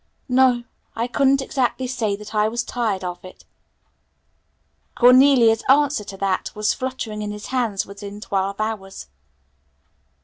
"No, I couldn't exactly say that I was tired of it." Cornelia's answer to that was fluttering in his hands within twelve hours.